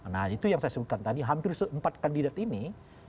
nah itu yang saya sebutkan tadi hampir empat kandidat ini